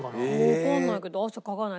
わかんないけど汗かかない。